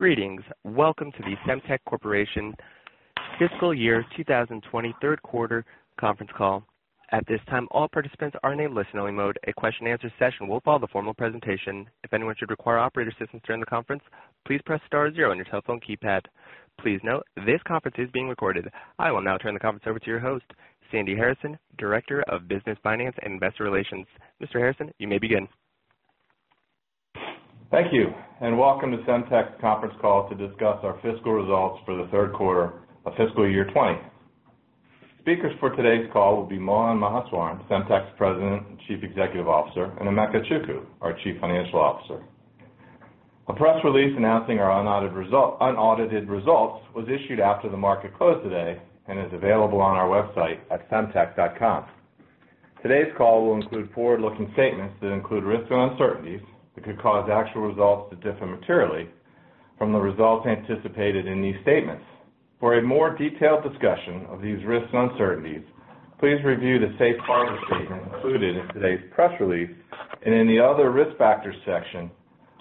Greetings. Welcome to the Semtech Corporation Fiscal Year 2020 third quarter conference call. At this time, all participants are in a listen-only mode. A question and answer session will follow the formal presentation. If anyone should require operator assistance during the conference, please press star zero on your telephone keypad. Please note this conference is being recorded. I will now turn the conference over to your host, Sandy Harrison, Director of Business Finance and Investor Relations. Mr. Harrison, you may begin. Thank you, and welcome to Semtech's conference call to discuss our fiscal results for the third quarter of fiscal year 2020. Speakers for today's call will be Mohan Maheswaran, Semtech's President and Chief Executive Officer, and Emeka Chukwu, our Chief Financial Officer. A press release announcing our unaudited results was issued after the market close today and is available on our website at semtech.com. Today's call will include forward-looking statements that include risks and uncertainties that could cause actual results to differ materially from the results anticipated in these statements. For a more detailed discussion of these risks and uncertainties, please review the safe harbor statement included in today's press release and in the Other Risk Factors section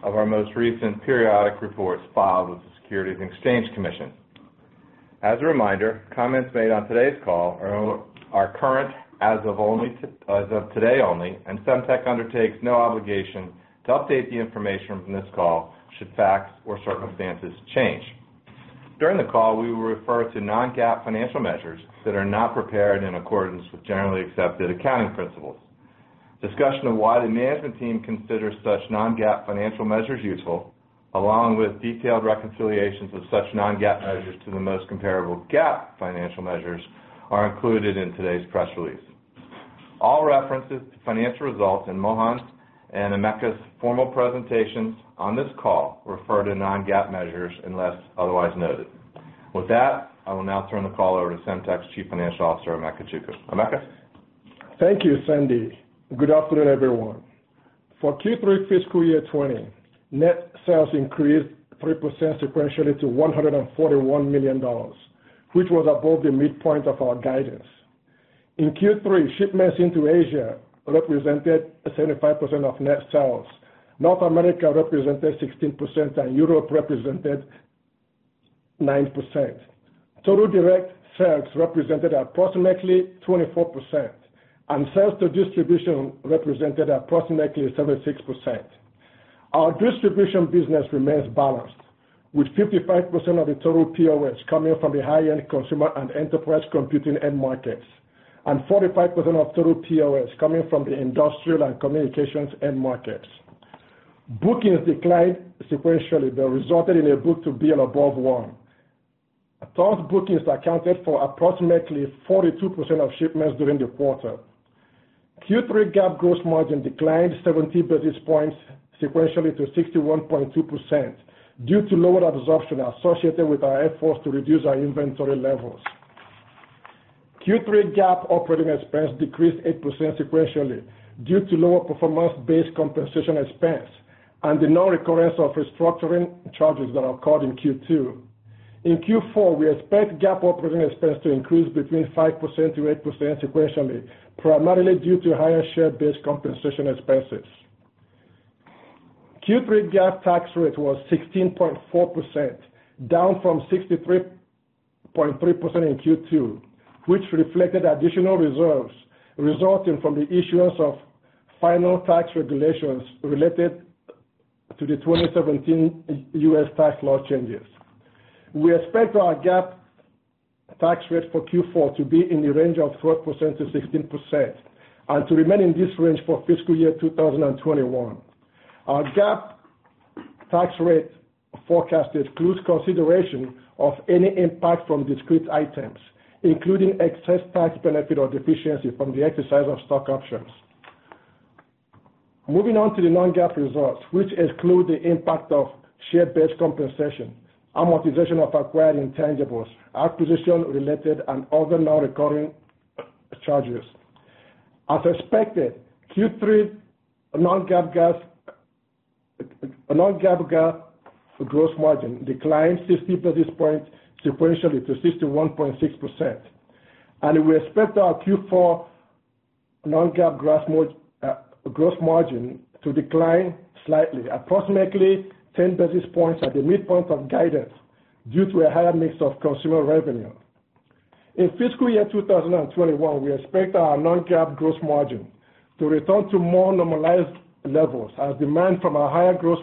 of our most recent periodic reports filed with the Securities and Exchange Commission. As a reminder, comments made on today's call are current as of today only, and Semtech undertakes no obligation to update the information from this call should facts or circumstances change. During the call, we will refer to non-GAAP financial measures that are not prepared in accordance with generally accepted accounting principles. Discussion of why the management team considers such non-GAAP financial measures useful, along with detailed reconciliations of such non-GAAP measures to the most comparable GAAP financial measures, are included in today's press release. All references to financial results in Mohan and Emeka's formal presentations on this call refer to non-GAAP measures unless otherwise noted. With that, I will now turn the call over to Semtech's Chief Financial Officer, Emeka Chukwu. Emeka? Thank you, Sandy. Good afternoon, everyone. For Q3 fiscal year 2020, net sales increased 3% sequentially to $141 million, which was above the midpoint of our guidance. In Q3, shipments into Asia represented 75% of net sales. North America represented 16%, and Europe represented 9%. Total direct sales represented approximately 24%, and sales to distribution represented approximately 76%. Our distribution business remains balanced, with 55% of the total POS coming from the high-end consumer and enterprise computing end markets, and 45% of total POS coming from the industrial and communications end markets. Bookings declined sequentially but resulted in a book-to-bill above one. Total bookings accounted for approximately 42% of shipments during the quarter. Q3 GAAP gross margin declined 70 basis points sequentially to 61.2% due to lower absorption associated with our efforts to reduce our inventory levels. Q3 GAAP operating expense decreased 8% sequentially due to lower performance-based compensation expense and the non-recurrence of restructuring charges that occurred in Q2. In Q4, we expect GAAP operating expense to increase between 5%-8% sequentially, primarily due to higher share-based compensation expenses. Q3 GAAP tax rate was 16.4%, down from 63.3% in Q2, which reflected additional reserves resulting from the issuance of final tax regulations related to the 2017 U.S. tax law changes. We expect our GAAP tax rate for Q4 to be in the range of 12%-16% and to remain in this range for fiscal year 2021. Our GAAP tax rate forecast includes consideration of any impact from discrete items, including excess tax benefit or deficiency from the exercise of stock options. Moving on to the non-GAAP results, which exclude the impact of share-based compensation, amortization of acquired intangibles, acquisition-related, and other non-recurring charges. As expected, Q3 non-GAAP gross margin declined 60 basis points sequentially to 61.6%, and we expect our Q4 non-GAAP gross margin to decline slightly, approximately 10 basis points at the midpoint of guidance, due to a higher mix of consumer revenue. In fiscal year 2021, we expect our non-GAAP gross margin to return to more normalized levels as demand from our higher growth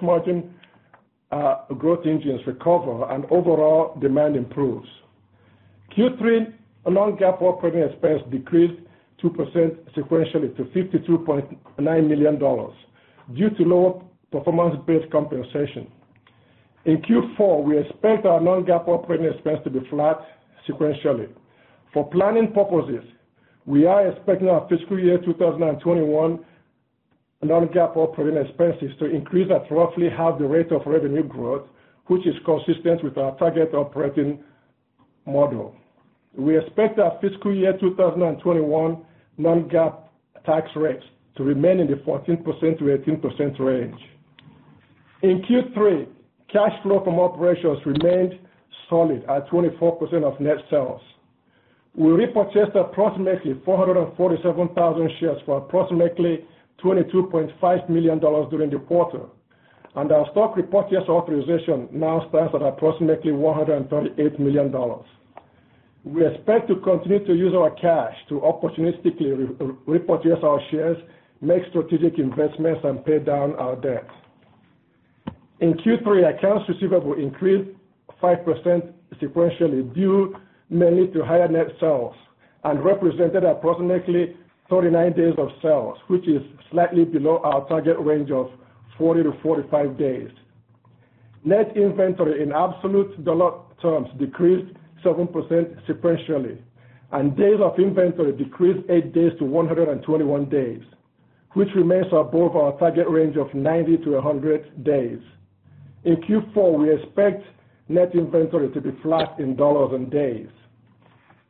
engines recover and overall demand improves. Q3 non-GAAP operating expense decreased 2% sequentially to $52.9 million due to lower performance-based compensation. In Q4, we expect our non-GAAP operating expense to be flat sequentially. For planning purposes, we are expecting our fiscal year 2021 non-GAAP operating expenses to increase at roughly half the rate of revenue growth, which is consistent with our target operating model. We expect our fiscal year 2021 non-GAAP tax rates to remain in the 14%-18% range. In Q3, cash flow from operations remained solid at 24% of net sales. We repurchased approximately 447,000 shares for approximately $22.5 million during the quarter, and our stock repurchase authorization now stands at approximately $138 million. We expect to continue to use our cash to opportunistically repurchase our shares, make strategic investments, and pay down our debt. In Q3, accounts receivable increased 5% sequentially, due mainly to higher net sales, and represented approximately 39 days of sales, which is slightly below our target range of 40-45 days. Net inventory in absolute dollar terms decreased 7% sequentially, and days of inventory decreased eight days to 121 days, which remains above our target range of 90-100 days. In Q4, we expect net inventory to be flat in dollars and days.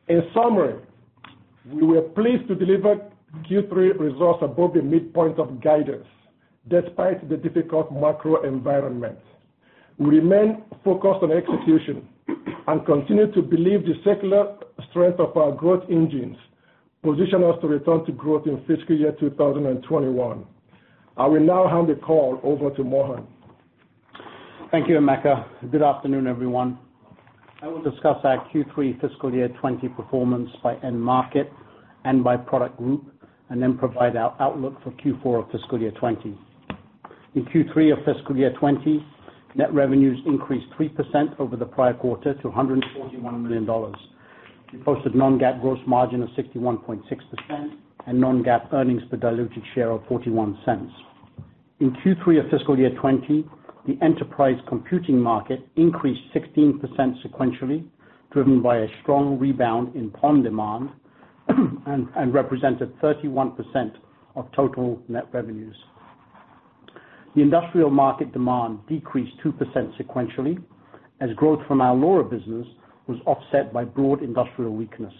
In summary, we were pleased to deliver Q3 results above the midpoint of guidance despite the difficult macro environment. We remain focused on execution and continue to believe the secular strength of our growth engines position us to return to growth in fiscal year 2021. I will now hand the call over to Mohan. Thank you, Emeka. Good afternoon, everyone. I will discuss our Q3 fiscal year 2020 performance by end market and by product group, and then provide our outlook for Q4 of fiscal year 2020. In Q3 of fiscal year 2020, net revenues increased 3% over the prior quarter to $141 million. We posted non-GAAP gross margin of 61.6% and non-GAAP earnings per diluted share of $0.41. In Q3 of fiscal year 2020, the enterprise computing market increased 16% sequentially, driven by a strong rebound in PON demand, and represented 31% of total net revenues. The industrial market demand decreased 2% sequentially, as growth from our LoRa business was offset by broad industrial weakness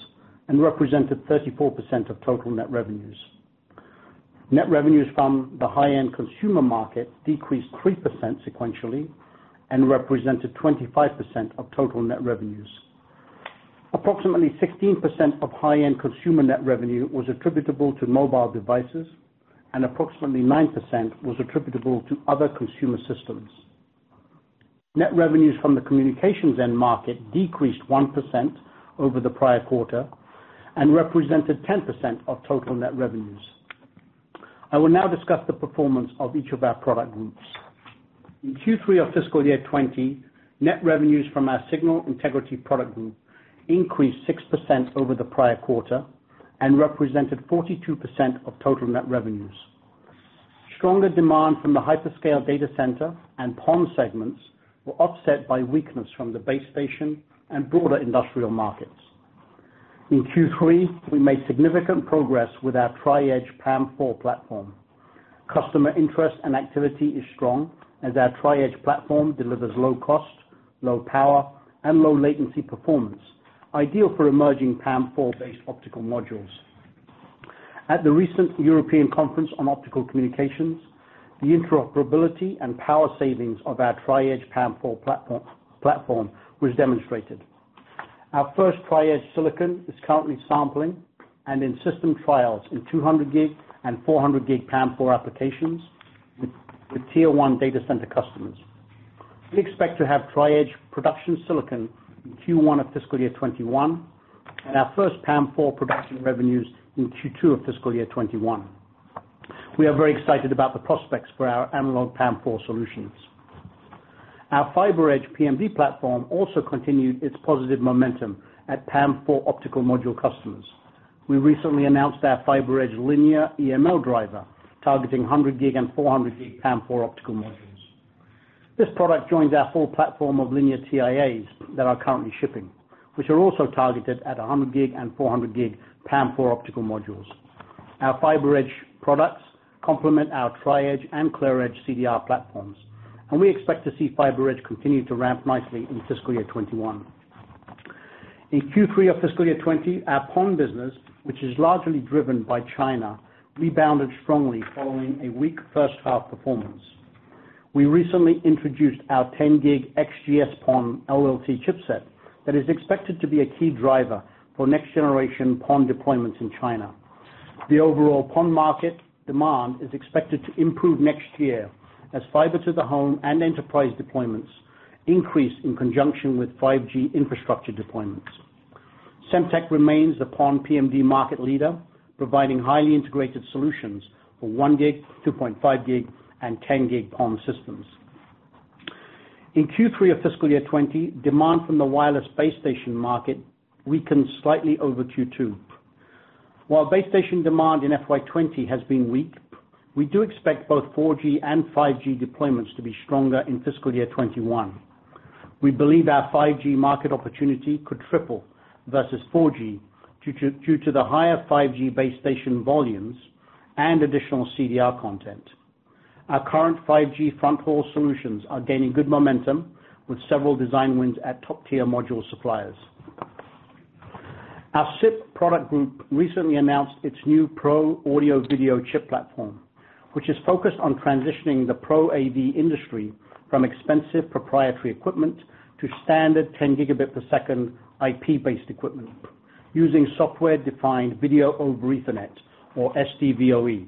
and represented 34% of total net revenues. Net revenues from the high-end consumer market decreased 3% sequentially and represented 25% of total net revenues. Approximately 16% of high-end consumer net revenue was attributable to mobile devices, and approximately 9% was attributable to other consumer systems. Net revenues from the communications end market decreased 1% over the prior quarter and represented 10% of total net revenues. I will now discuss the performance of each of our product groups. In Q3 of fiscal year 2020, net revenues from our signal integrity product group increased 6% over the prior quarter and represented 42% of total net revenues. Stronger demand from the hyperscale data center and PON segments were offset by weakness from the base station and broader industrial markets. In Q3, we made significant progress with our Tri-Edge PAM4 platform. Customer interest and activity is strong as our Tri-Edge platform delivers low cost, low power, and low latency performance, ideal for emerging PAM4-based optical modules. At the recent European Conference on Optical Communication, the interoperability and power savings of our Tri-Edge PAM4 platform was demonstrated. Our first Tri-Edge silicon is currently sampling and in system trials in 200G and 400G PAM4 applications with tier 1 data center customers. We expect to have Tri-Edge production silicon in Q1 of fiscal year 2021, our first PAM4 production revenues in Q2 of fiscal year 2021. We are very excited about the prospects for our analog PAM4 solutions. Our FiberEdge PMD platform also continued its positive momentum at PAM4 optical module customers. We recently announced our FiberEdge linear EML driver, targeting 100G and 400G PAM4 optical modules. This product joins our full platform of linear TIAs that are currently shipping, which are also targeted at 100G and 400G PAM4 optical modules. Our FiberEdge products complement our Tri-Edge and ClearEdge CDR platforms, and we expect to see FiberEdge continue to ramp nicely in fiscal year 2021. In Q3 of fiscal year 2020, our PON business, which is largely driven by China, rebounded strongly following a weak first half performance. We recently introduced our 10G XGS-PON LLC chipset that is expected to be a key driver for next generation PON deployments in China. The overall PON market demand is expected to improve next year as fiber to the home and enterprise deployments increase in conjunction with 5G infrastructure deployments. Semtech remains the PON PMD market leader, providing highly integrated solutions for 1G, 2.5G, and 10G PON systems. In Q3 of fiscal year 2020, demand from the wireless base station market weakened slightly over Q2. While base station demand in FY 2020 has been weak, we do expect both 4G and 5G deployments to be stronger in fiscal year 2021. We believe our 5G market opportunity could triple versus 4G due to the higher 5G base station volumes and additional CDR content. Our current 5G front-haul solutions are gaining good momentum with several design wins at top-tier module suppliers. Our SIP product group recently announced its new pro-audio/video chip platform, which is focused on transitioning the Pro AV industry from expensive proprietary equipment to standard 10 Gigabit per second IP-based equipment using Software Defined Video over Ethernet, or SDVoE.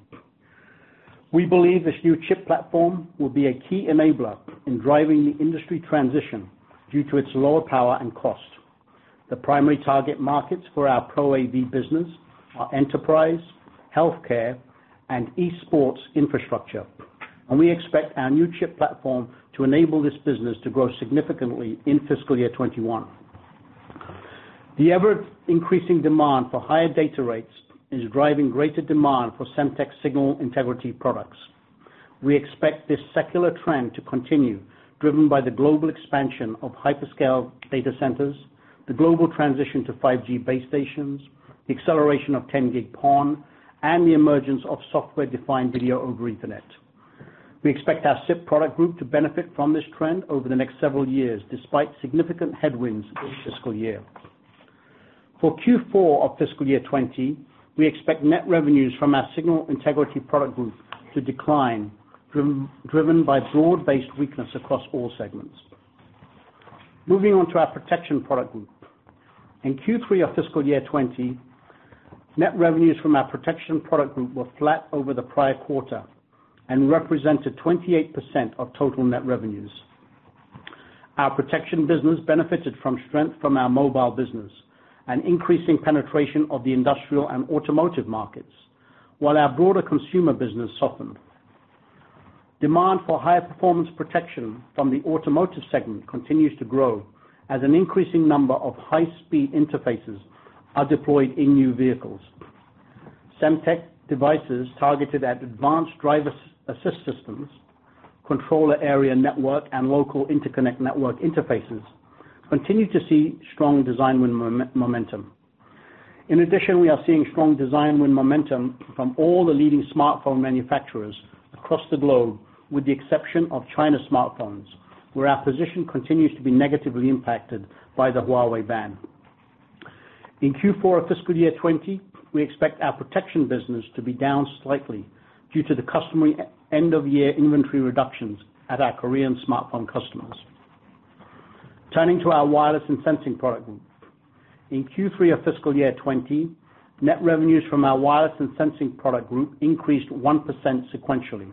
We believe this new chip platform will be a key enabler in driving the industry transition due to its lower power and cost. The primary target markets for our Pro AV business are enterprise, healthcare, and e-sports infrastructure. We expect our new chip platform to enable this business to grow significantly in fiscal year 2021. The ever-increasing demand for higher data rates is driving greater demand for Semtech signal integrity products. We expect this secular trend to continue, driven by the global expansion of hyperscale data centers, the global transition to 5G base stations, the acceleration of 10G PON, and the emergence of Software Defined Video over Ethernet. We expect our SIP product group to benefit from this trend over the next several years, despite significant headwinds this fiscal year. For Q4 of fiscal year 2020, we expect net revenues from our signal integrity product group to decline, driven by broad-based weakness across all segments. Moving on to our protection product group. In Q3 of fiscal year 2020, net revenues from our protection product group were flat over the prior quarter and represented 28% of total net revenues. Our protection business benefited from strength from our mobile business and increasing penetration of the industrial and automotive markets while our broader consumer business softened. Demand for higher performance protection from the automotive segment continues to grow as an increasing number of high-speed interfaces are deployed in new vehicles. Semtech devices targeted at advanced driver assist systems, controller area network, and local interconnect network interfaces, continue to see strong design win momentum. In addition, we are seeing strong design win momentum from all the leading smartphone manufacturers across the globe, with the exception of China smartphones, where our position continues to be negatively impacted by the Huawei ban. In Q4 of fiscal year 2020, we expect our protection business to be down slightly due to the customary end-of-year inventory reductions at our Korean smartphone customers. Turning to our wireless and sensing product group. In Q3 of fiscal year 2020, net revenues from our wireless and sensing product group increased 1% sequentially,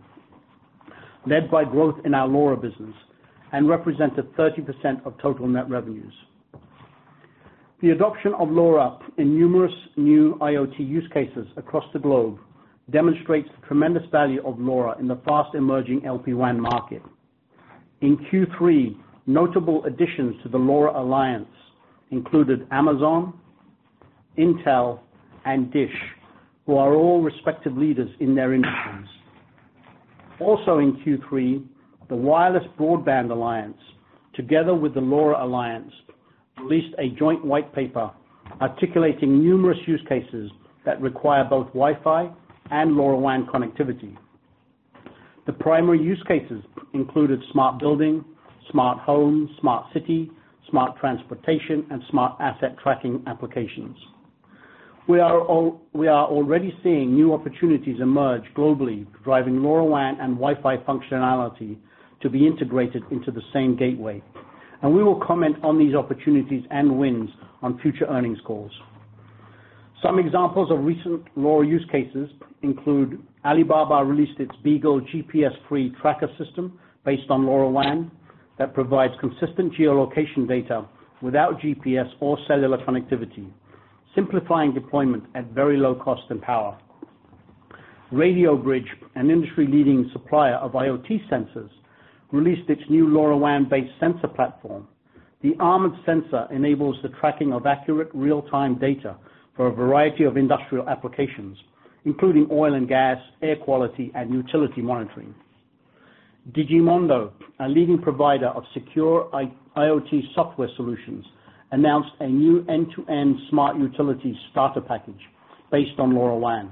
led by growth in our LoRa business, and represented 30% of total net revenues. The adoption of LoRa in numerous new IoT use cases across the globe demonstrates the tremendous value of LoRa in the fast-emerging LPWAN market. In Q3, notable additions to the LoRa Alliance included Amazon, Intel, and Dish, who are all respective leaders in their industries. Also in Q3, the Wireless Broadband Alliance, together with the LoRa Alliance, released a joint white paper articulating numerous use cases that require both Wi-Fi and LoRaWAN connectivity. The primary use cases included smart building, smart home, smart city, smart transportation, and smart asset tracking applications. We are already seeing new opportunities emerge globally driving LoRaWAN and Wi-Fi functionality to be integrated into the same gateway. We will comment on these opportunities and wins on future earnings calls. Some examples of recent LoRa use cases include Alibaba released its Beagle GPS-free tracker system based on LoRaWAN that provides consistent geolocation data without GPS or cellular connectivity, simplifying deployment at very low cost and power. RadioBridge, an industry-leading supplier of IoT sensors, released its new LoRaWAN-based sensor platform. The armored sensor enables the tracking of accurate real-time data for a variety of industrial applications, including oil and gas, air quality, and utility monitoring. Digimondo, a leading provider of secure IoT software solutions, announced a new end-to-end smart utility starter package based on LoRaWAN,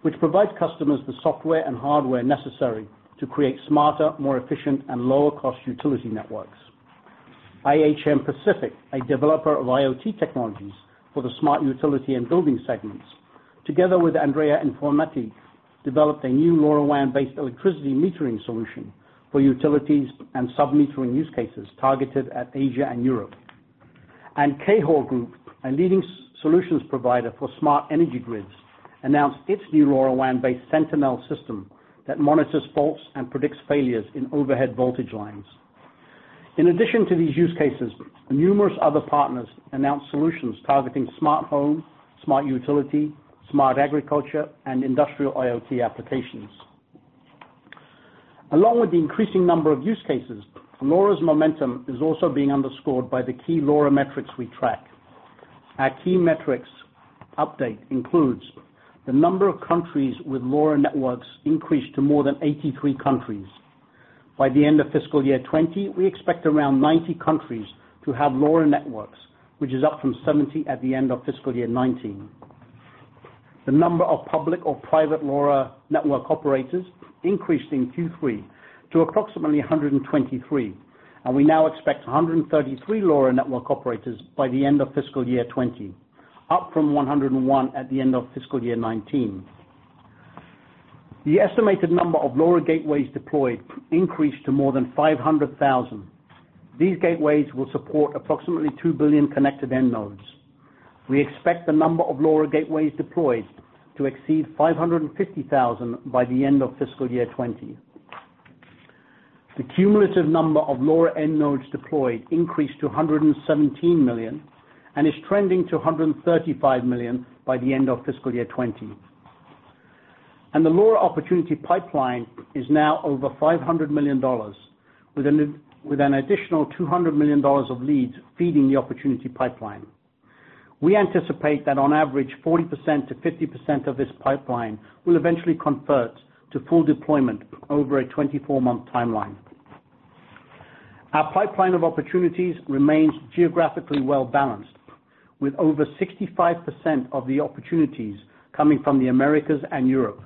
which provides customers the software and hardware necessary to create smarter, more efficient, and lower-cost utility networks. IHM Pacific, a developer of IoT technologies for the smart utility and building segments, together with Andrea Informatique, developed a new LoRaWAN-based electricity metering solution for utilities and sub-metering use cases targeted at Asia and Europe. CAHORS Group, a leading solutions provider for smart energy grids, announced its new LoRaWAN-based Sentinel system that monitors faults and predicts failures in overhead voltage lines. In addition to these use cases, numerous other partners announced solutions targeting smart home, smart utility, smart agriculture, and industrial IoT applications. Along with the increasing number of use cases, LoRa's momentum is also being underscored by the key LoRa metrics we track. Our key metrics update includes the number of countries with LoRa networks increased to more than 83 countries. By the end of fiscal year 2020, we expect around 90 countries to have LoRa networks, which is up from 70 at the end of fiscal year 2019. The number of public or private LoRa network operators increased in Q3 to approximately 123, and we now expect 133 LoRa network operators by the end of fiscal year 2020, up from 101 at the end of fiscal year 2019. The estimated number of LoRa gateways deployed increased to more than 500,000. These gateways will support approximately 2 billion connected end nodes. We expect the number of LoRa gateways deployed to exceed 550,000 by the end of fiscal year 2020. The cumulative number of LoRa end nodes deployed increased to 117 million and is trending to 135 million by the end of fiscal year 2020. The LoRa opportunity pipeline is now over $500 million, with an additional $200 million of leads feeding the opportunity pipeline. We anticipate that on average, 40%-50% of this pipeline will eventually convert to full deployment over a 24-month timeline. Our pipeline of opportunities remains geographically well balanced, with over 65% of the opportunities coming from the Americas and Europe,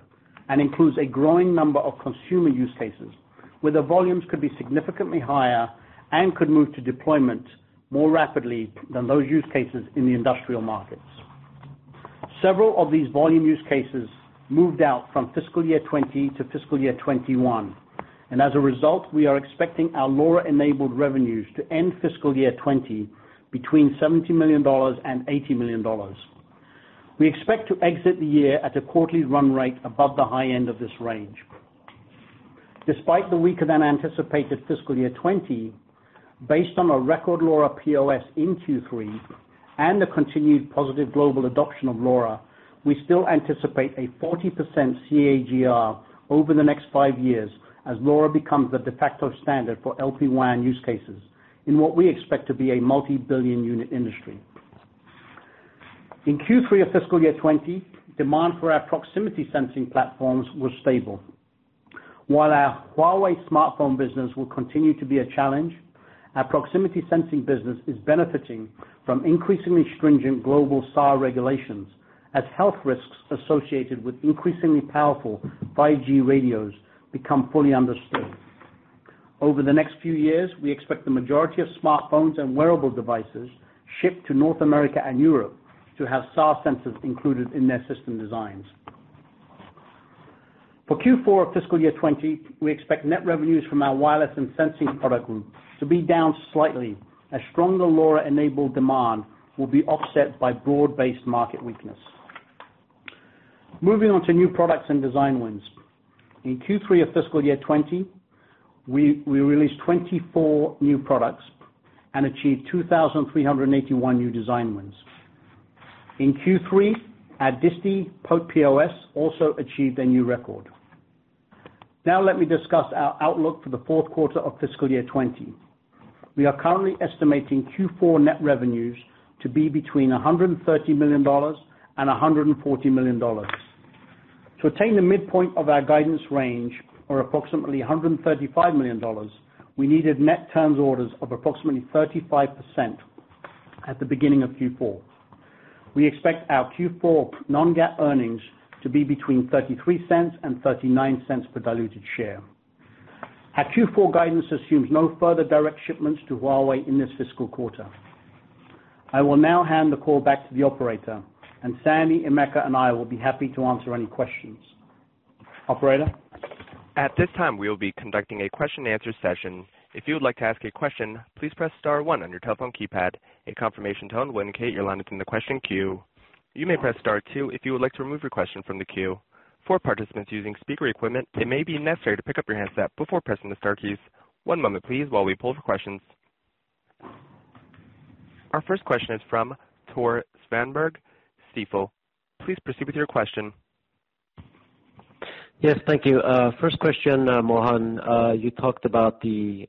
and includes a growing number of consumer use cases, where the volumes could be significantly higher and could move to deployment more rapidly than those use cases in the industrial markets. Several of these volume use cases moved out from fiscal year 2020 to fiscal year 2021. As a result, we are expecting our LoRa-enabled revenues to end fiscal year 2020 between $70 million and $80 million. We expect to exit the year at a quarterly run rate above the high end of this range. Despite the weaker than anticipated fiscal year 2020, based on a record LoRa POS in Q3 and the continued positive global adoption of LoRa, we still anticipate a 40% CAGR over the next five years as LoRa becomes the de facto standard for LPWAN use cases, in what we expect to be a multi-billion unit industry. In Q3 of fiscal year 2020, demand for our proximity sensing platforms was stable. While our Huawei smartphone business will continue to be a challenge, our proximity sensing business is benefiting from increasingly stringent global SAR regulations, as health risks associated with increasingly powerful 5G radios become fully understood. Over the next few years, we expect the majority of smartphones and wearable devices shipped to North America and Europe to have SAR sensors included in their system designs. For Q4 of fiscal year 2020, we expect net revenues from our wireless and sensing product group to be down slightly, as stronger LoRa-enabled demand will be offset by broad-based market weakness. Moving on to new products and design wins. In Q3 of fiscal year 2020, we released 24 new products and achieved 2,381 new design wins. In Q3, our Disti POS also achieved a new record. Now let me discuss our outlook for the fourth quarter of fiscal year 2020. We are currently estimating Q4 net revenues to be between $130 million and $140 million. To attain the midpoint of our guidance range or approximately $135 million, we needed net turns orders of approximately 35% at the beginning of Q4. We expect our Q4 non-GAAP earnings to be between $0.33 and $0.39 per diluted share. Our Q4 guidance assumes no further direct shipments to Huawei in this fiscal quarter. I will now hand the call back to the operator, and Sandy, Emeka, and I will be happy to answer any questions. Operator? At this time, we will be conducting a question and answer session. If you would like to ask a question, please press star one on your telephone keypad. A confirmation tone will indicate your line is in the question queue. You may press star two if you would like to remove your question from the queue. For participants using speaker equipment, it may be necessary to pick up your handset before pressing the star keys. One moment please while we pull for questions. Our first question is from Tore Svanberg, Stifel. Please proceed with your question. Yes, thank you. First question, Mohan. You talked about the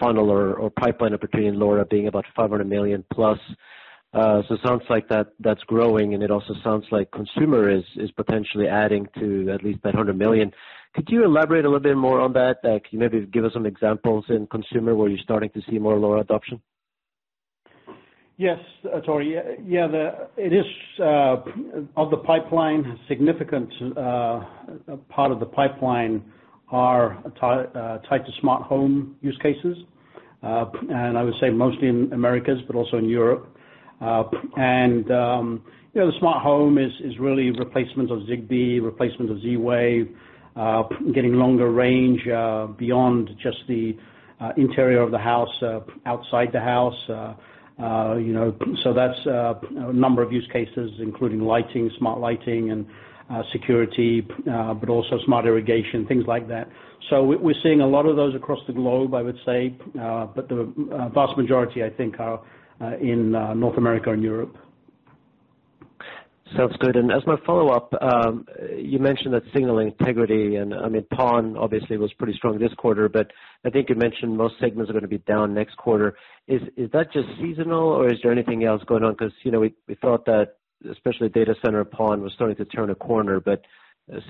funnel or pipeline opportunity in LoRa being about $500 million+. It sounds like that's growing, and it also sounds like consumer is potentially adding to at least that $100 million. Could you elaborate a little bit more on that? Can you maybe give us some examples in consumer where you're starting to see more LoRa adoption? Yes, Tore. Yeah. Of the pipeline, significant part of the pipeline are tied to smart home use cases. I would say mostly in Americas, but also in Europe. The smart home is really replacement of Zigbee, replacement of Z-Wave, getting longer range beyond just the interior of the house, outside the house. That's a number of use cases, including lighting, smart lighting, and security, but also smart irrigation, things like that. We're seeing a lot of those across the globe, I would say, but the vast majority, I think, are in North America and Europe. Sounds good. As my follow-up, you mentioned that signal integrity and PON obviously was pretty strong this quarter. I think you mentioned most segments are going to be down next quarter. Is that just seasonal, or is there anything else going on? We thought that especially data center, PON was starting to turn a corner. It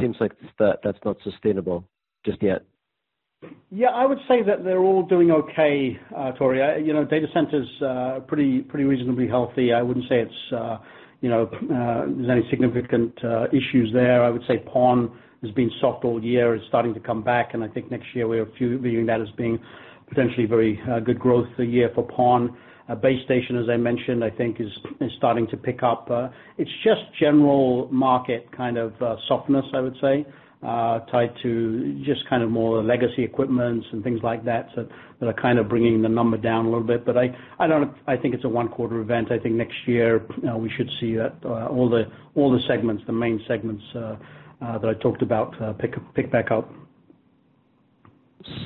seems like that's not sustainable just yet. Yeah, I would say that they're all doing okay, Tore. Data centers are pretty reasonably healthy. I wouldn't say there's any significant issues there. I would say PON has been soft all year. It's starting to come back, and I think next year we're viewing that as being potentially a very good growth year for PON. Base station, as I mentioned, I think is starting to pick up. It's just general market kind of softness, I would say, tied to just kind of more legacy equipment and things like that are kind of bringing the number down a little bit. I think it's a one-quarter event. I think next year, we should see all the main segments that I talked about pick back up.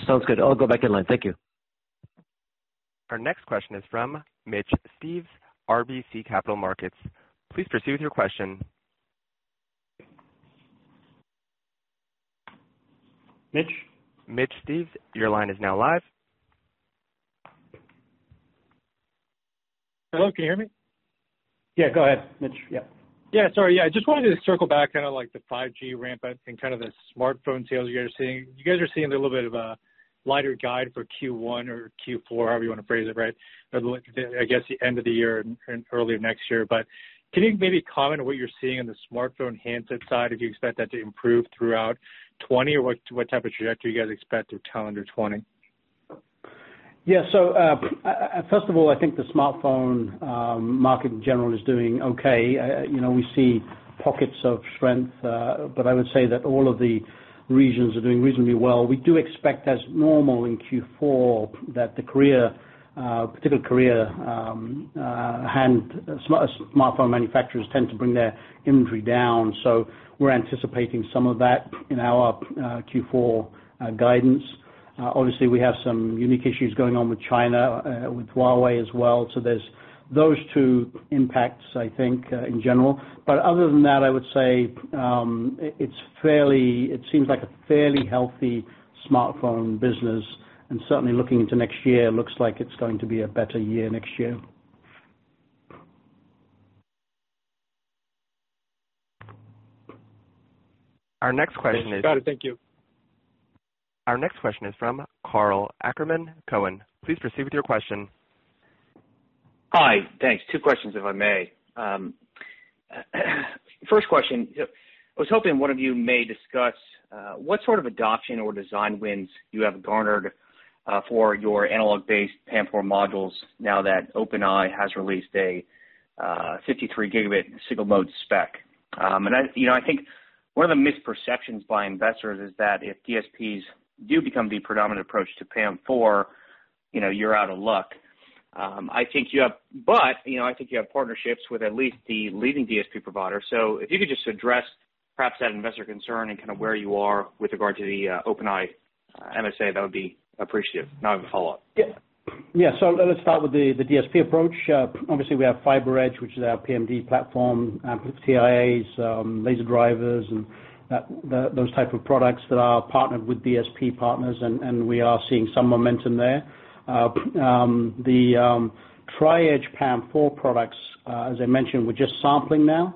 Sounds good. I'll go back in line. Thank you. Our next question is from Mitch Steves, RBC Capital Markets. Please proceed with your question. Mitch? Mitch Steves, your line is now live. Hello, can you hear me? Yeah, go ahead, Mitch. Yeah. Yeah, sorry. I just wanted to circle back on the 5G ramp up and kind of the smartphone sales you guys are seeing. You guys are seeing a little bit of a lighter guide for Q1 or Q4, however you want to phrase it, right? I guess the end of the year and earlier next year. Can you maybe comment on what you're seeing on the smartphone handset side? Do you expect that to improve throughout 2020? What type of trajectory you guys expect through calendar 2020? First of all, I think the smartphone market in general is doing okay. We see pockets of strength, I would say that all of the regions are doing reasonably well. We do expect, as normal in Q4, that the particular Korea smartphone manufacturers tend to bring their inventory down. We're anticipating some of that in our Q4 guidance. Obviously, we have some unique issues going on with China, with Huawei as well. There's those two impacts, I think, in general. Other than that, I would say it seems like a fairly healthy smartphone business. Certainly, looking into next year, looks like it's going to be a better year next year. Our next question. Got it. Thank you. Our next question is from Karl Ackerman, Cowen. Please proceed with your question. Hi. Thanks. Two questions, if I may. First question, I was hoping one of you may discuss what sort of adoption or design wins you have garnered for your analog-based PAM4 modules now that OpenEye MSA has released a 53 gigabit single mode spec. I think one of the misperceptions by investors is that if DSPs do become the predominant approach to PAM4, you're out of luck. I think you have partnerships with at least the leading DSP provider. If you could just address perhaps that investor concern and kind of where you are with regard to the Open Eye MSA, that would be appreciated. Now I have a follow-up. Let's start with the DSP approach. Obviously, we have FiberEdge, which is our PMD platform, TIAs laser drivers and those type of products that are partnered with DSP partners, and we are seeing some momentum there. The Tri-Edge PAM4 products, as I mentioned, we're just sampling now.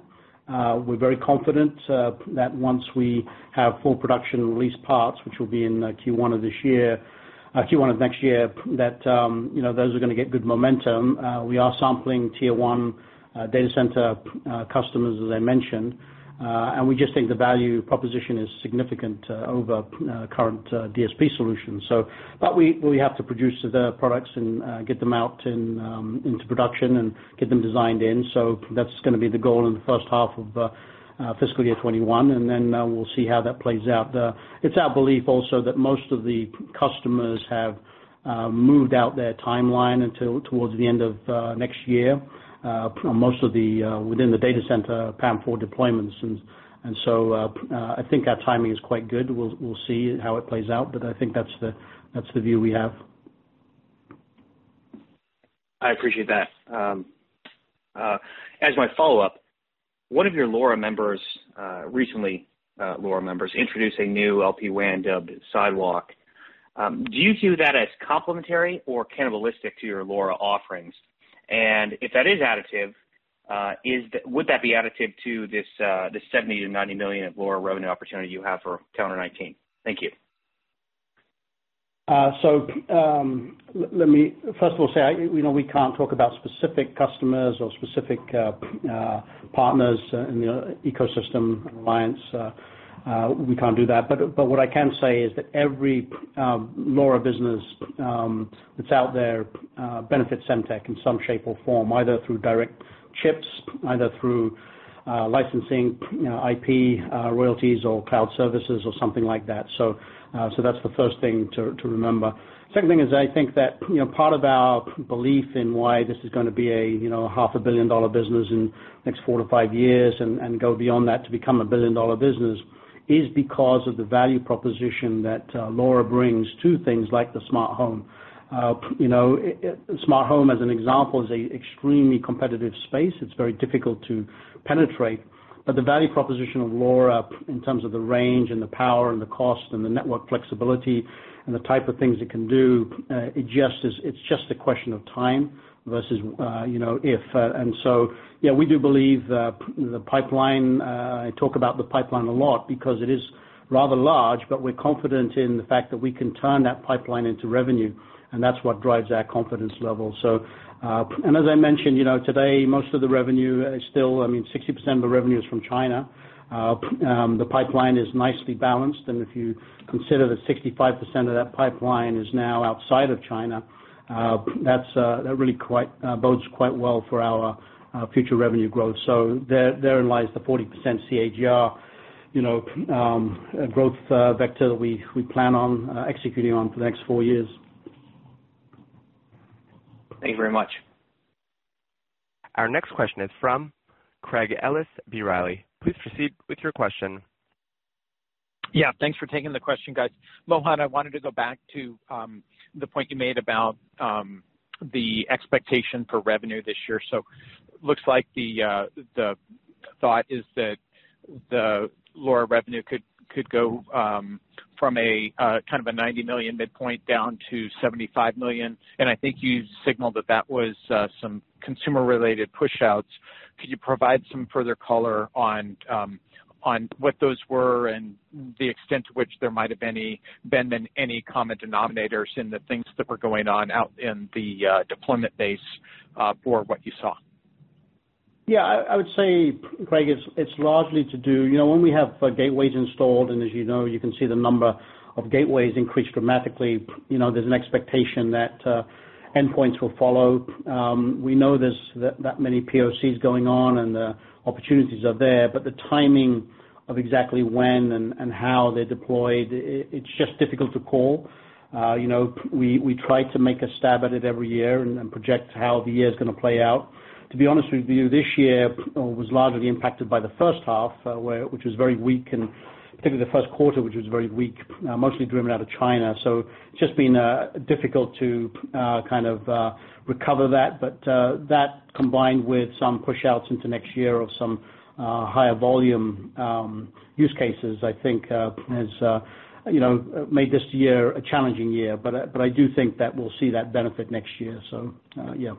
We're very confident that once we have full production released parts, which will be in Q1 of next year, that those are going to get good momentum. We are sampling tier 1 data center customers, as I mentioned. We just think the value proposition is significant over current DSP solutions. We have to produce the products and get them out into production and get them designed in. That's going to be the goal in the first half of fiscal year 2021, then we'll see how that plays out. It's our belief also that most of the customers have moved out their timeline towards the end of next year, most within the data center PAM4 deployments. I think our timing is quite good. We'll see how it plays out, but I think that's the view we have. I appreciate that. As my follow-up, one of your LoRa members recently introduced a new LPWAN dubbed Sidewalk. Do you view that as complementary or cannibalistic to your LoRa offerings? If that is additive, would that be additive to this $70 million-$90 million of LoRa revenue opportunity you have for 2019? Thank you. Let me first of all say, we can't talk about specific customers or specific partners in the ecosystem alliance. We can't do that. What I can say is that every LoRa business that's out there benefits Semtech in some shape or form, either through direct chips, either through licensing IP royalties or cloud services or something like that. That's the first thing to remember. Second thing is I think that part of our belief in why this is going to be a half a billion-dollar business in the next four to five years and go beyond that to become a billion-dollar business is because of the value proposition that LoRa brings to things like the smart home. Smart home, as an example, is a extremely competitive space. It's very difficult to penetrate. The value proposition of LoRa in terms of the range and the power and the cost and the network flexibility and the type of things it can do, it's just a question of time versus if. Yeah, we do believe the pipeline, I talk about the pipeline a lot because it is rather large, but we're confident in the fact that we can turn that pipeline into revenue, and that's what drives our confidence level. As I mentioned, today, most of the revenue is still, 60% of the revenue is from China. The pipeline is nicely balanced. If you consider that 65% of that pipeline is now outside of China, that really bodes quite well for our future revenue growth. Therein lies the 40% CAGR growth vector that we plan on executing on for the next four years. Thank you very much. Our next question is from Craig Ellis, B. Riley. Please proceed with your question. Yeah, thanks for taking the question, guys. Mohan, I wanted to go back to the point you made about the expectation for revenue this year. Looks like the thought is that the lower revenue could go from a $90 million midpoint down to $75 million. I think you signaled that that was some consumer-related push-outs. Could you provide some further color on what those were and the extent to which there might have been any common denominators in the things that were going on out in the deployment base for what you saw? Yeah, I would say, Craig, it's largely to do When we have gateways installed, and as you know, you can see the number of gateways increase dramatically, there's an expectation that endpoints will follow. We know there's that many POCs going on and the opportunities are there, but the timing of exactly when and how they're deployed, it's just difficult to call. We try to make a stab at it every year and project how the year's gonna play out. To be honest with you, this year was largely impacted by the first half, which was very weak, and particularly the first quarter, which was very weak, mostly driven out of China. It's just been difficult to kind of recover that. That combined with some push-outs into next year of some higher volume use cases, I think, has made this year a challenging year. I do think that we'll see that benefit next year. Yeah.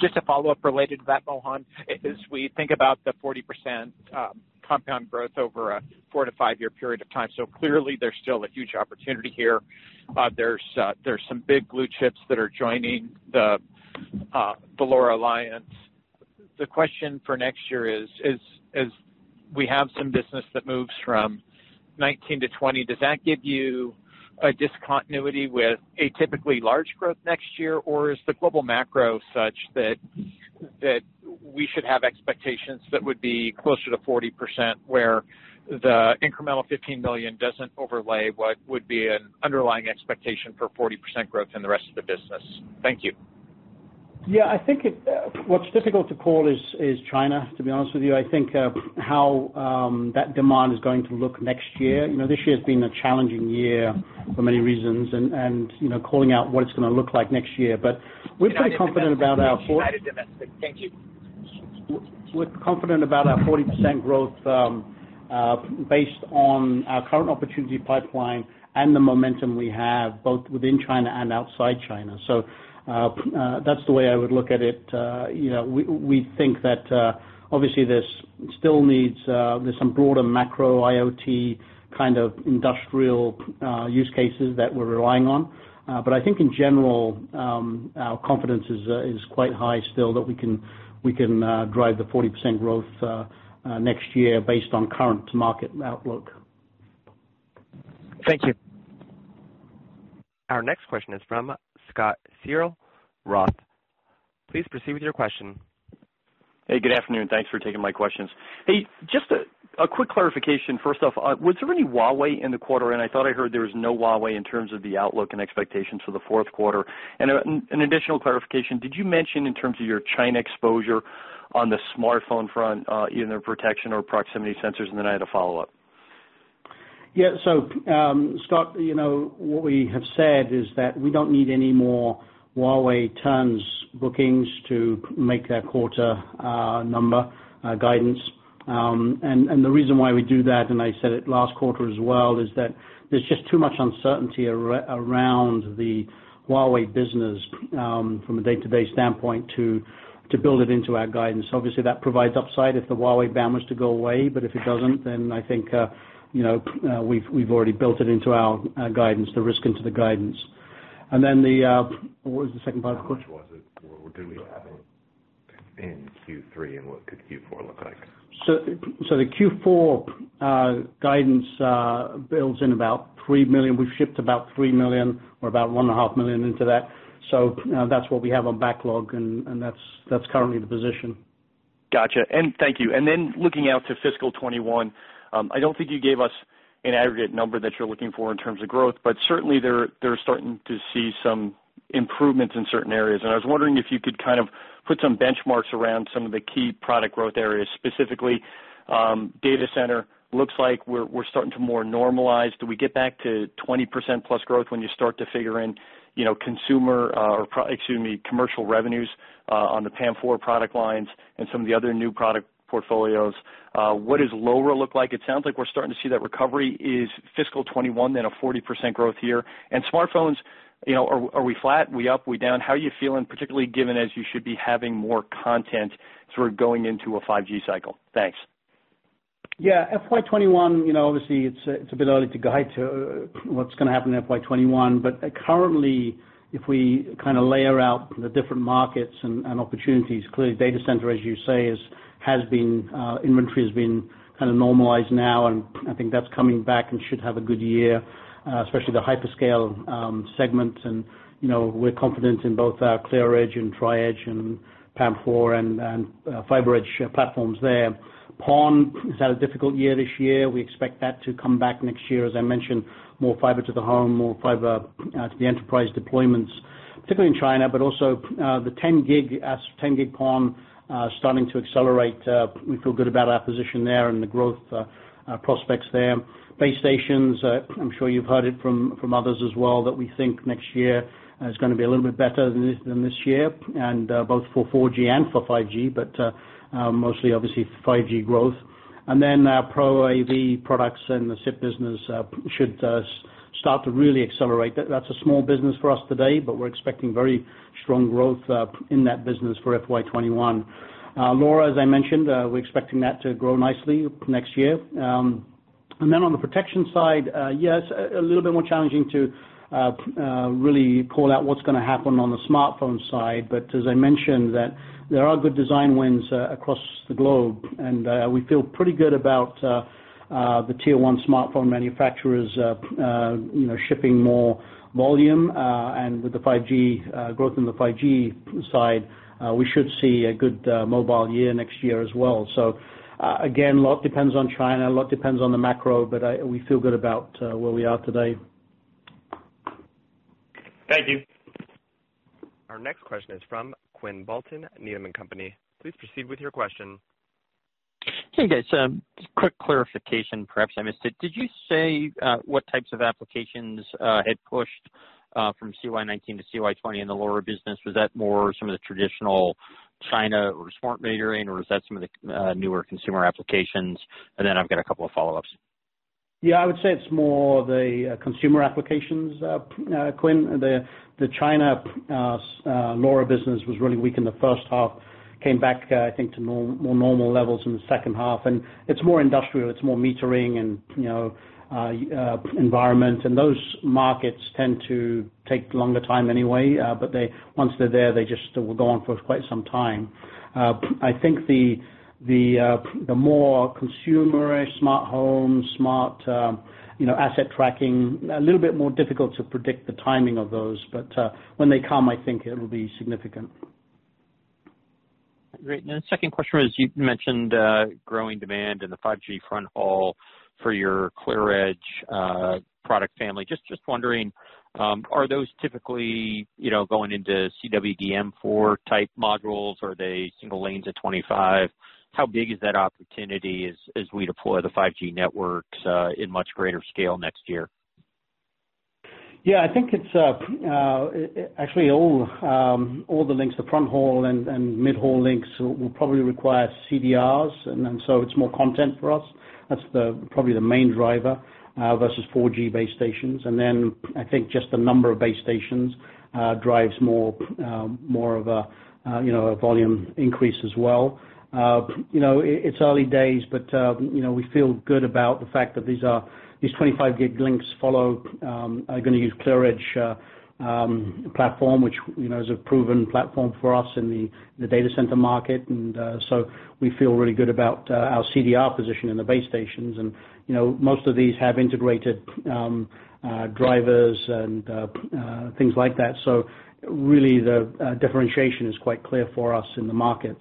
Just a follow-up related to that, Mohan, as we think about the 40% compound growth over a 4 to 5-year period of time. Clearly there's still a huge opportunity here. There's some big blue chips that are joining the LoRa Alliance. The question for next year is, as we have some business that moves from 2019 to 2020, does that give you a discontinuity with a typically large growth next year? Is the global macro such that we should have expectations that would be closer to 40%, where the incremental $15 million doesn't overlay what would be an underlying expectation for 40% growth in the rest of the business? Thank you. I think what's difficult to call is China, to be honest with you. I think how that demand is going to look next year. This year's been a challenging year for many reasons and calling out what it's gonna look like next year. We feel confident about our- United Domestic. Thank you. We're confident about our 40% growth based on our current opportunity pipeline and the momentum we have both within China and outside China. That's the way I would look at it. We think that, obviously, there's some broader macro IoT kind of industrial use cases that we're relying on. I think in general, our confidence is quite high still that we can drive the 40% growth next year based on current market outlook. Thank you. Our next question is from Scott Searle, Roth. Please proceed with your question. Hey, good afternoon. Thanks for taking my questions. Hey, just a quick clarification first off. Was there any Huawei in the quarter? I thought I heard there was no Huawei in terms of the outlook and expectations for the fourth quarter. An additional clarification, did you mention in terms of your China exposure on the smartphone front, either protection or proximity sensors? Then I had a follow-up. Scott, what we have said is that we don't need any more Huawei turns bookings to make that quarter number guidance. The reason why we do that, and I said it last quarter as well, is that there's just too much uncertainty around the Huawei business from a day-to-day standpoint to build it into our guidance. Obviously, that provides upside if the Huawei ban was to go away, but if it doesn't, then I think we've already built it into our guidance, the risk into the guidance. What was the second part of the question? How much was it, or do we have in Q3, and what could Q4 look like? The Q4 guidance builds in about $3 million. We've shipped about $3 million. We're about $one and a half million into that. That's what we have on backlog, and that's currently the position. Got you. Thank you. Looking out to fiscal 2021, I don't think you gave us an aggregate number that you're looking for in terms of growth, but certainly they're starting to see some improvements in certain areas, and I was wondering if you could kind of put some benchmarks around some of the key product growth areas. Specifically, Data center looks like we're starting to more normalize. Do we get back to 20% plus growth when you start to figure in commercial revenues on the PAM4 product lines and some of the other new product portfolios? What does LoRa look like? It sounds like we're starting to see that recovery is fiscal 2021, then a 40% growth year. Smartphones, are we flat? We up, we down? How are you feeling, particularly given as you should be having more content sort of going into a 5G cycle? Thanks. Yeah. FY 2021, obviously it's a bit early to guide to what's going to happen in FY 2021. Currently, if we layer out the different markets and opportunities, clearly data center, as you say, inventory has been kind of normalized now, and I think that's coming back and should have a good year, especially the hyperscale segment. We're confident in both our ClearEdge and Tri-Edge and PAM4 and FiberEdge platforms there. PON has had a difficult year this year. We expect that to come back next year. As I mentioned, more fiber to the home, more fiber to the enterprise deployments, particularly in China, but also the 10G PON starting to accelerate. We feel good about our position there and the growth prospects there. Base stations, I'm sure you've heard it from others as well, that we think next year is going to be a little bit better than this year, and both for 4G and for 5G, but mostly obviously 5G growth. Our Pro AV products and the SIP business should start to really accelerate. That's a small business for us today, but we're expecting very strong growth in that business for FY 2021. LoRa, as I mentioned, we're expecting that to grow nicely next year. On the protection side, yes, a little bit more challenging to really call out what's going to happen on the smartphone side. As I mentioned, that there are good design wins across the globe, and we feel pretty good about the tier 1 smartphone manufacturers shipping more volume. With the growth in the 5G side, we should see a good mobile year next year as well. Again, a lot depends on China, a lot depends on the macro, but we feel good about where we are today. Thank you. Our next question is from Quinn Bolton, Needham & Company. Please proceed with your question. Hey, guys. Quick clarification, perhaps I missed it. Did you say what types of applications had pushed from CY 2019 to CY 2020 in the LoRa business? Was that more some of the traditional China or smart metering, or was that some of the newer consumer applications? I've got a couple of follow-ups. Yeah, I would say it's more the consumer applications, Quinn. The China LoRa business was really weak in the first half, came back, I think, to more normal levels in the second half, and it's more industrial, it's more metering and environment. Those markets tend to take longer time anyway, but once they're there, they just will go on for quite some time. I think the more consumerist, smart home, smart asset tracking, a little bit more difficult to predict the timing of those, but when they come, I think it'll be significant. Great. The second question was, you mentioned growing demand in the 5G front haul for your ClearEdge product family. Just wondering, are those typically going into CWDM4 type modules? Are they single lanes at 25? How big is that opportunity as we deploy the 5G networks in much greater scale next year? I think it's actually all the links to front haul and mid-haul links will probably require CDRs. So it's more content for us. That's probably the main driver versus 4G base stations. I think just the number of base stations drives more of a volume increase as well. It's early days, but we feel good about the fact that these 25 gig links [for LoRa], are going to use ClearEdge platform, which is a proven platform for us in the data center market. We feel really good about our CDR position in the base stations. Most of these have integrated drivers and things like that. Really, the differentiation is quite clear for us in the market.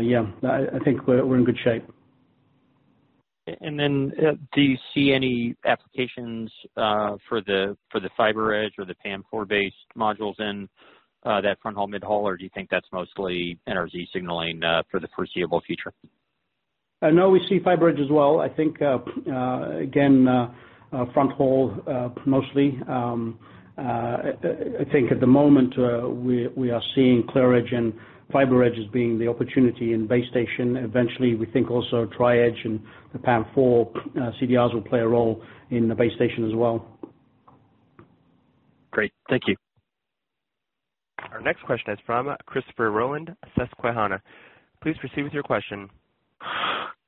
Yeah, I think we're in good shape. Do you see any applications for the FiberEdge or the PAM4 based modules in that front haul, mid-haul, or do you think that's mostly NRZ signaling for the foreseeable future? We see FiberEdge as well. I think, again, front haul mostly. I think at the moment, we are seeing ClearEdge and FiberEdge as being the opportunity in base station. Eventually, we think also Tri-Edge and the PAM4 CDRs will play a role in the base station as well. Great. Thank you. Our next question is from Christopher Rolland, Susquehanna. Please proceed with your question.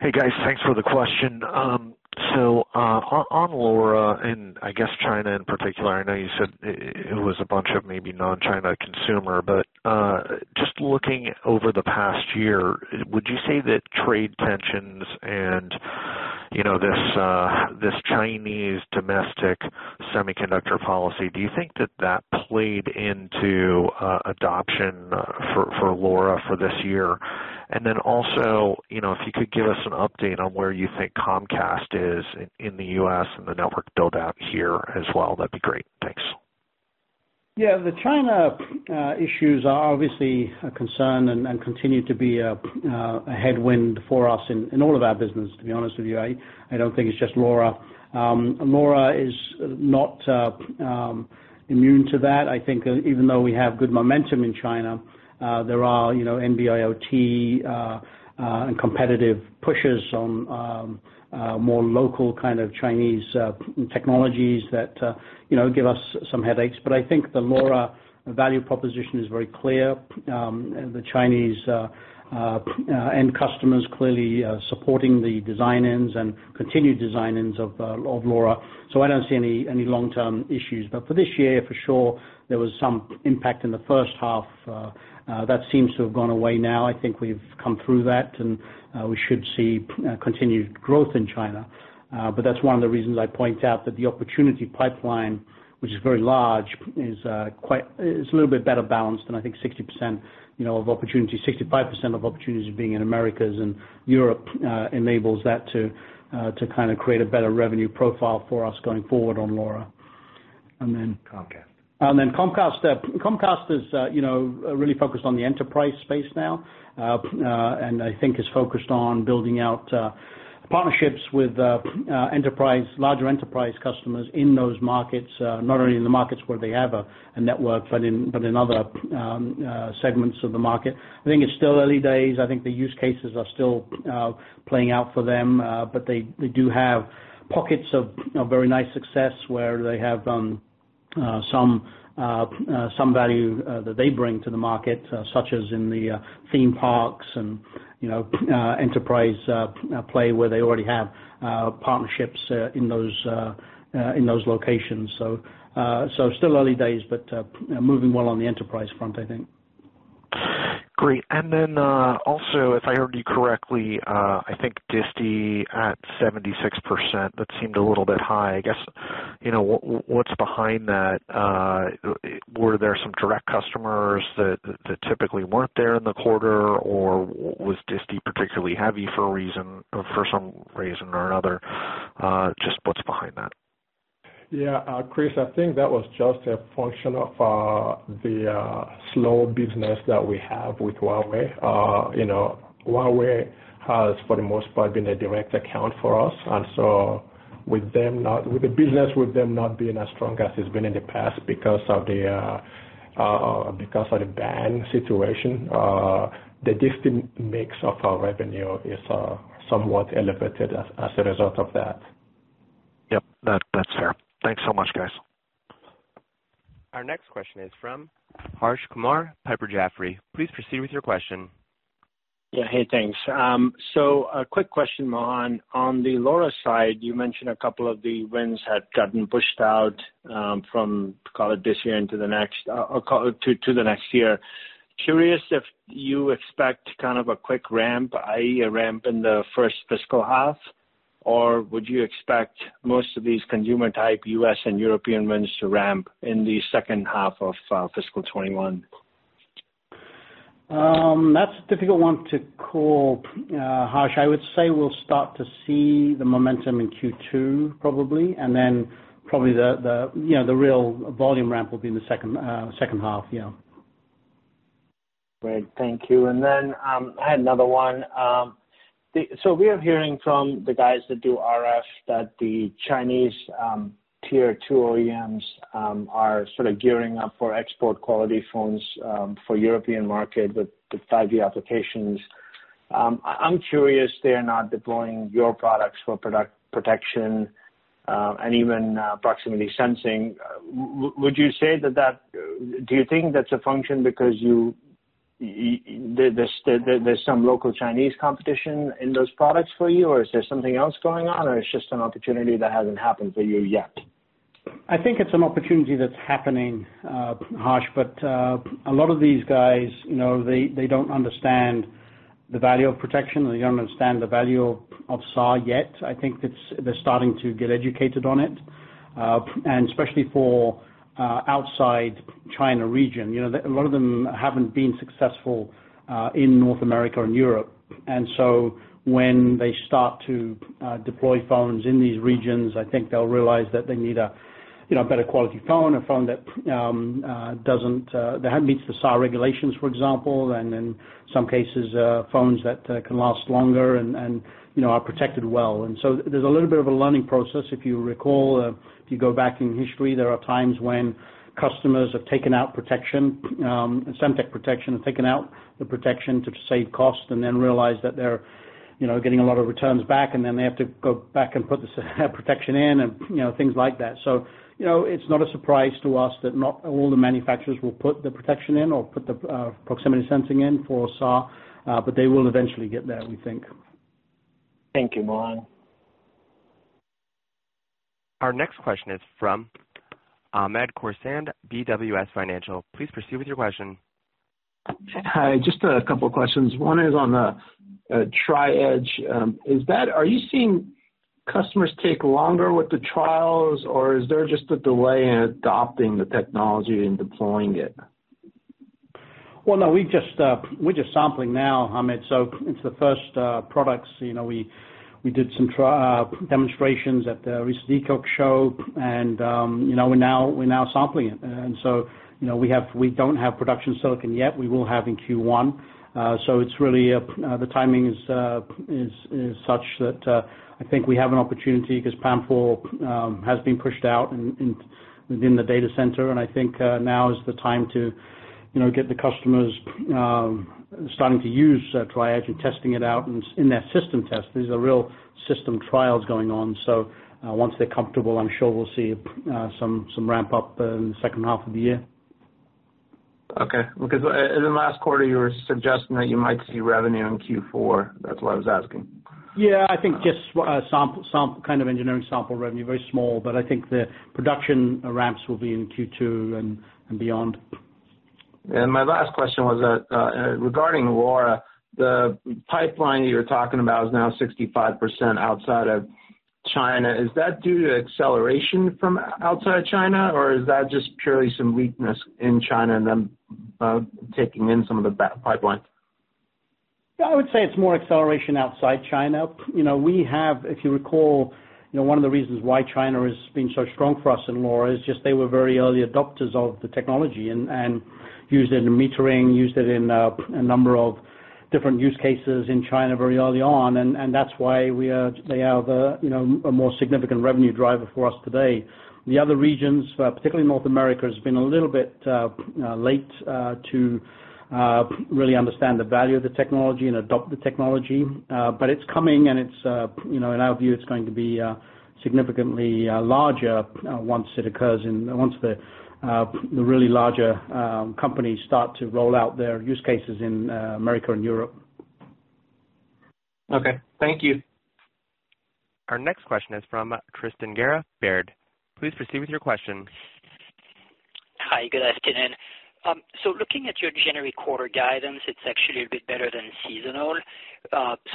Hey, guys, thanks for the question. On LoRa, and I guess China in particular, I know you said it was a bunch of maybe non-China consumer, but just looking over the past year, would you say that trade tensions and this Chinese domestic semiconductor policy, do you think that that played into adoption for LoRa for this year? Also, if you could give us an update on where you think Comcast is in the U.S. and the network build-out here as well, that'd be great. Thanks. The China issues are obviously a concern and continue to be a headwind for us in all of our business, to be honest with you. I don't think it's just LoRa. LoRa is not immune to that. I think even though we have good momentum in China, there are NB-IoT, and competitive pushes on more local kind of Chinese technologies that give us some headaches. I think the LoRa value proposition is very clear. The Chinese end customers clearly are supporting the design-ins and continued design-ins of LoRa. I don't see any long-term issues. For this year, for sure, there was some impact in the first half. That seems to have gone away now. I think we've come through that, and we should see continued growth in China. That's one of the reasons I point out that the opportunity pipeline, which is very large, is a little bit better balanced than I think 60% of opportunities, 65% of opportunities being in Americas and Europe enables that to kind of create a better revenue profile for us going forward on LoRa. Comcast. Comcast. Comcast is really focused on the enterprise space now. I think is focused on building out partnerships with larger enterprise customers in those markets, not only in the markets where they have a network, but in other segments of the market. I think it's still early days. I think the use cases are still playing out for them. They do have pockets of very nice success where they have some value that they bring to the market, such as in the theme parks and enterprise play, where they already have partnerships in those locations. Still early days, but moving well on the enterprise front, I think. Great. Also, if I heard you correctly, I think disti at 76%, that seemed a little bit high. I guess, what's behind that? Were there some direct customers that typically weren't there in the quarter, or was disti particularly heavy for some reason or another? Just what's behind that? Yeah, Chris, I think that was just a function of the slow business that we have with Huawei. Huawei has, for the most part, been a direct account for us. With the business with them not being as strong as it's been in the past because of the ban situation, the disti mix of our revenue is somewhat elevated as a result of that. Yep. That's fair. Thanks so much, guys. Our next question is from Harsh Kumar, Piper Jaffray. Please proceed with your question. Yeah. Hey, thanks. A quick question, Mohan. On the LoRa side, you mentioned a couple of the wins had gotten pushed out from, call it this year, to the next year. Curious if you expect kind of a quick ramp, i.e., a ramp in the first fiscal half, or would you expect most of these consumer-type U.S. and European wins to ramp in the second half of fiscal 2021? That's a difficult one to call, Harsh. I would say we'll start to see the momentum in Q2, probably, and then probably the real volume ramp will be in the second half. Yeah. Great. Thank you. I had another one. We are hearing from the guys that do RF that the Chinese Tier 2 OEMs are sort of gearing up for export quality phones for European market with 5G applications. I'm curious, they are not deploying your products for protection, and even proximity sensing. Do you think that's a function because there's some local Chinese competition in those products for you, or is there something else going on, or it's just an opportunity that hasn't happened for you yet? I think it's an opportunity that's happening, Harsh. A lot of these guys, they don't understand the value of protection, or they don't understand the value of SAR yet. I think they're starting to get educated on it. Especially for outside China region. A lot of them haven't been successful in North America and Europe. When they start to deploy phones in these regions, I think they'll realize that they need a better quality phone, a phone that meets the SAR regulations, for example, and in some cases, phones that can last longer and are protected well. There's a little bit of a learning process. If you recall, if you go back in history, there are times when customers have taken out protection, Semtech protection, have taken out the protection to save cost, and then realized that they're getting a lot of returns back, and then they have to go back and put the SAR protection in and things like that. It's not a surprise to us that not all the manufacturers will put the protection in or put the proximity sensing in for SAR, but they will eventually get there, we think. Thank you, Mohan. Our next question is from Hamed Khorsand, BWS Financial. Please proceed with your question. Hi. Just a couple of questions. One is on the Tri-Edge. Are you seeing customers take longer with the trials, or is there just a delay in adopting the technology and deploying it? No, we're just sampling now, Hamed. It's the first products. We did some demonstrations at the recent ECOC show, and we're now sampling it. We don't have production silicon yet. We will have in Q1. Really, the timing is such that I think we have an opportunity because PAM4 has been pushed out within the data center, and I think now is the time to get the customers starting to use Tri-Edge and testing it out in their system test. These are real system trials going on. Once they're comfortable, I'm sure we'll see some ramp-up in the second half of the year. Okay. In the last quarter, you were suggesting that you might see revenue in Q4. That's why I was asking. Yeah, I think just some kind of engineering sample revenue, very small, but I think the production ramps will be in Q2 and beyond. My last question was regarding LoRa. The pipeline you're talking about is now 65% outside of China. Is that due to acceleration from outside China, or is that just purely some weakness in China and them taking in some of the pipeline? Yeah, I would say it's more acceleration outside China. If you recall, one of the reasons why China has been so strong for us in LoRa is just they were very early adopters of the technology and used it in metering, used it in a number of different use cases in China very early on, and that's why they are the more significant revenue driver for us today. The other regions, particularly North America, has been a little bit late to really understand the value of the technology and adopt the technology. It's coming, and in our view, it's going to be significantly larger once the really larger companies start to roll out their use cases in America and Europe. Okay. Thank you. Our next question is from Tristan Gerra, Baird. Please proceed with your question. Hi, good afternoon. Looking at your January quarter guidance, it's actually a bit better than seasonal.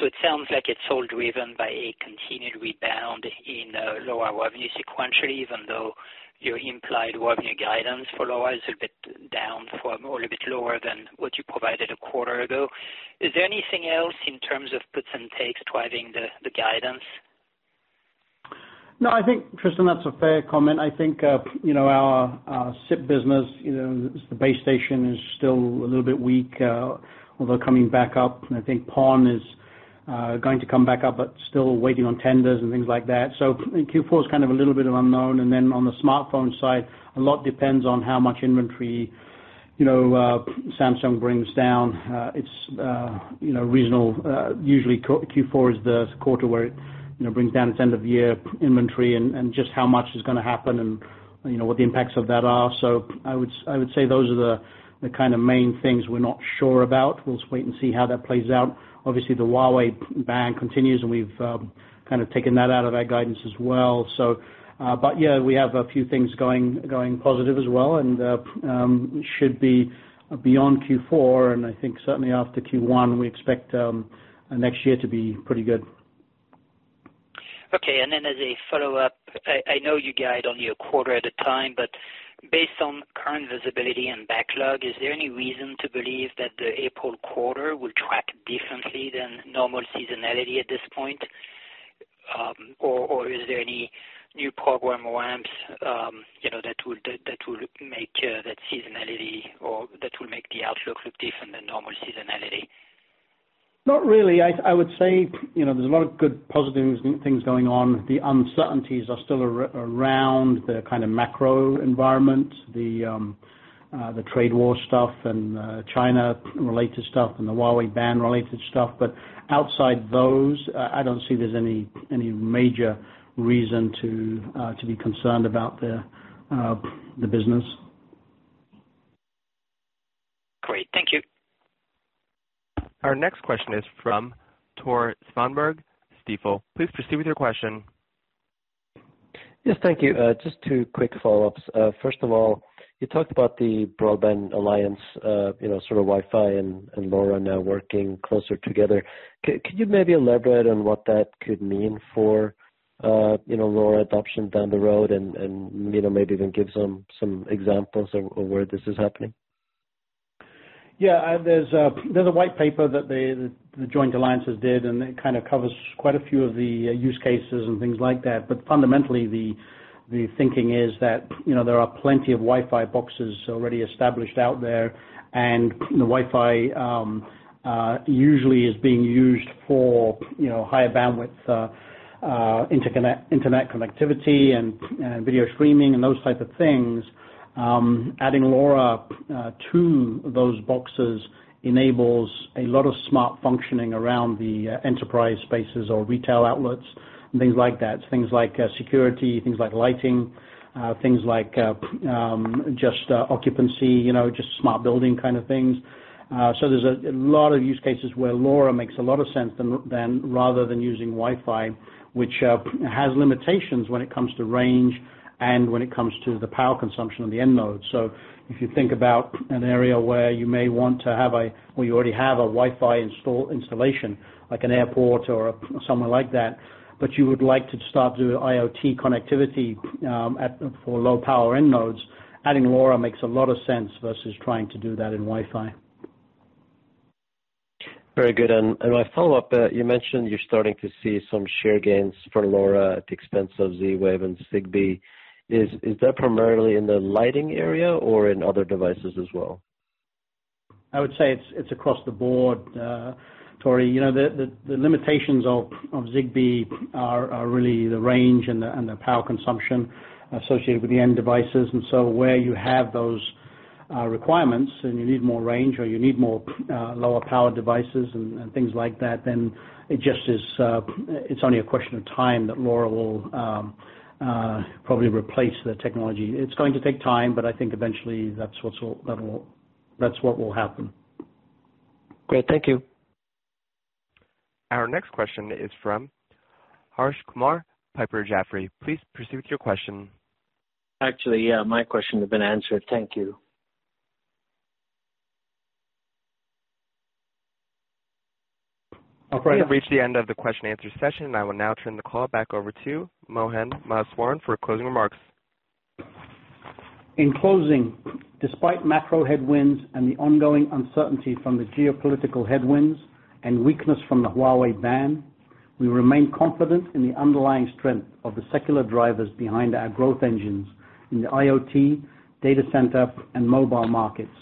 It sounds like it's all driven by a continued rebound in LoRa revenue sequentially, even though your implied revenue guidance for LoRa is a bit down from, or a little bit lower than what you provided a quarter ago. Is there anything else in terms of puts and takes driving the guidance? No, I think, Tristan, that's a fair comment. I think our SIP business, the base station, is still a little bit weak, although coming back up. I think PON is going to come back up, but still waiting on tenders and things like that. Q4 is kind of a little bit of unknown, and then on the smartphone side, a lot depends on how much inventory Samsung brings down. Usually Q4 is the quarter where it brings down its end-of-year inventory and just how much is going to happen and what the impacts of that are. I would say those are the kind of main things we're not sure about. We'll just wait and see how that plays out. Obviously, the Huawei ban continues, and we've kind of taken that out of our guidance as well. Yeah, we have a few things going positive as well, and should be beyond Q4, and I think certainly after Q1, we expect next year to be pretty good. Okay, as a follow-up, I know you guide only a quarter at a time, based on current visibility and backlog, is there any reason to believe that the April quarter will track differently than normal seasonality at this point? Is there any new program ramps that will make that seasonality or the outlook look different than normal seasonality? Not really. I would say there's a lot of good positive things going on. The uncertainties are still around the kind of macro environment, the trade war stuff, and China-related stuff, and the Huawei ban-related stuff. Outside those, I don't see there's any major reason to be concerned about the business. Great. Thank you. Our next question is from Tore Svanberg, Stifel. Please proceed with your question. Yes. Thank you. Just two quick follow-ups. First of all, you talked about the Broadband Alliance, sort of Wi-Fi and LoRa now working closer together. Can you maybe elaborate on what that could mean for LoRa adoption down the road and maybe even give some examples of where this is happening? There's a white paper that the joint alliances did, and it kind of covers quite a few of the use cases and things like that. Fundamentally, the thinking is that there are plenty of Wi-Fi boxes already established out there, and Wi-Fi usually is being used for higher bandwidth internet connectivity and video streaming and those type of things. Adding LoRa to those boxes enables a lot of smart functioning around the enterprise spaces or retail outlets and things like that. Things like security, things like lighting, things like just occupancy, just smart building kind of things. There's a lot of use cases where LoRa makes a lot of sense then rather than using Wi-Fi, which has limitations when it comes to range and when it comes to the power consumption of the end node. If you think about an area where you may want to have a, or you already have a Wi-Fi installation, like an airport or somewhere like that, but you would like to start to do IoT connectivity for low power end nodes, adding LoRa makes a lot of sense versus trying to do that in Wi-Fi. Very good. My follow-up, you mentioned you're starting to see some share gains for LoRa at the expense of Z-Wave and Zigbee. Is that primarily in the lighting area or in other devices as well? I would say it's across the board, Tore. The limitations of Zigbee are really the range and the power consumption associated with the end devices. Where you have those requirements and you need more range or you need more lower power devices and things like that, then it's only a question of time that LoRa will probably replace the technology. It's going to take time, but I think eventually that's what will happen. Great. Thank you. Our next question is from Harsh Kumar, Piper Jaffray. Please proceed with your question. Actually, yeah, my question has been answered. Thank you. We have reached the end of the question answer session. I will now turn the call back over to Mohan Maheswaran for closing remarks. In closing, despite macro headwinds and the ongoing uncertainty from the geopolitical headwinds and weakness from the Huawei ban, we remain confident in the underlying strength of the secular drivers behind our growth engines in the IoT, data center, and mobile markets.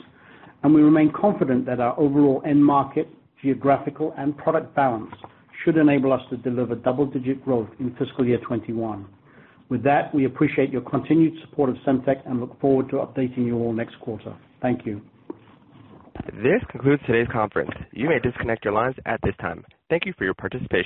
We remain confident that our overall end market, geographical, and product balance should enable us to deliver double-digit growth in fiscal year 2021. With that, we appreciate your continued support of Semtech and look forward to updating you all next quarter. Thank you. This concludes today's conference. You may disconnect your lines at this time. Thank you for your participation.